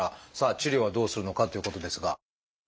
治療はどうするのかっていうことですが。